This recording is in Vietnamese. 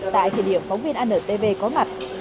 tại thời điểm phóng viên antv có mặt